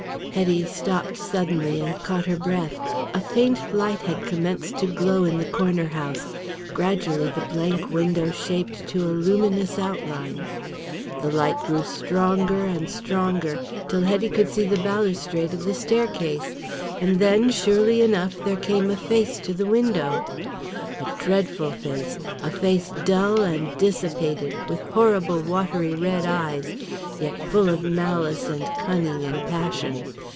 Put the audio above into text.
Hetty stopped suddenly and caught her breath. A faint light had commenced to glow in the Corner House, gradually the blank window shaped to a luminous outline. The light grew stronger and stronger, till Hetty could see the balustrade of the staircase. And then, surely enough there came a face to the window. A dreadful face, a face dull and dissipated, with horrible watery red eyes, yet full of malice and cunning and passion.